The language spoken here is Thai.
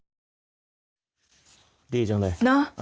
ดีจังเลย